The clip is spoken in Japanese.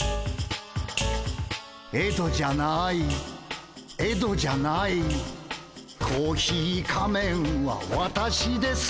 「エドじゃないエドじゃない」「コーヒー仮面は私です」